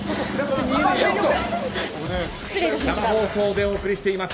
生放送でお送りしています。